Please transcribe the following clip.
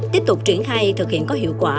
tiếp tục triển khai thực hiện có hiệu quả